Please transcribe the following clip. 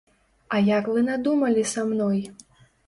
А як вы надумалі са мной?